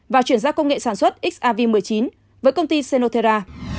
và chuyển ra công nghệ sản xuất xav một mươi chín với công ty senotera